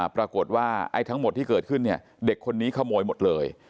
ปรากฏว่าทั้งหมดที่เกิดขึ้นเนี่ยเด็กคนนี้ขโมยหมดเลย